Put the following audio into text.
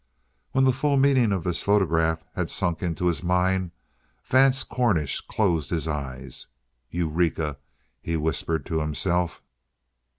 When the full meaning of this photograph had sunk into his mind, Vance Cornish closed his eyes. "Eureka!" he whispered to himself.